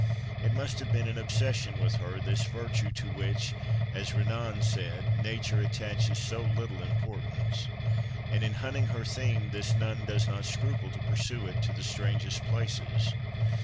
It must have been an obsession with her, this virtue to which, as Renan said, nature attaches so little importance. And, in hunting her theme, this nun does not scruple to pursue it to the strangest places.